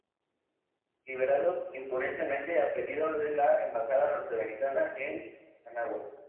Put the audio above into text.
Liberados impunemente a pedido de la embajada norteamericana en Managua.